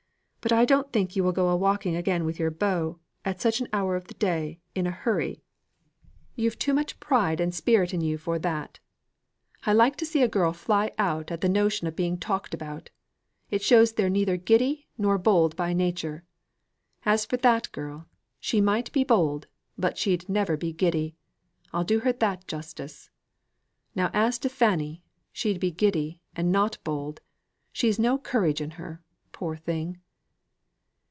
But I don't think you will go a walking again with your beau, at such an hour of the day, in a hurry. You've too much pride and spirit in you for that. I like to see a girl fly out at the notion of being talked about. It shows they're neither giddy, nor bold by nature. As for that girl, she might be bold, but she'd never be giddy. I'll do her that justice. Now as to Fanny, she'd be giddy, and not bold. She's no courage in her, poor thing!"